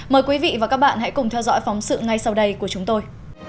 mời quý vị và các bạn hãy cùng theo dõi phóng sự ngay sau đây của chúng tôi